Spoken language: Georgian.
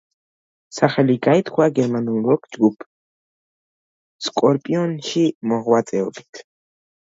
სახელი გაითქვა გერმანულ როკ ჯგუფ, სკორპიონსში მოღვაწეობით.